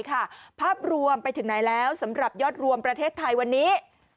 ภาพรวมไปถึงไหนแล้วสำหรับยอดรวมประเทศไทยวันนี้